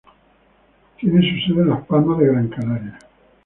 Tiene su sede en Las Palmas de Gran Canaria.